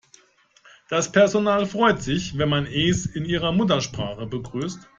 Das Personal freut sich, wenn man es in ihrer Muttersprache begrüßt.